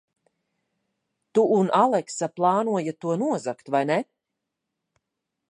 Tu un Aleksa plānojat to nozagt, vai ne?